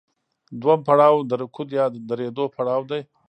دویم پړاو د رکود یا درېدو پړاو دی